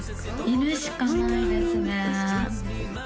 犬しかないですね